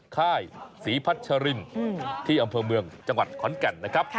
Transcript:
ค่ายศรีพัชรินที่อำเภอเมืองจังหวัดขอนแก่นนะครับ